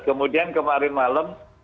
kemudian kemarin malam